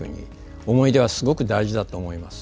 思い出はすごく大事だと思います。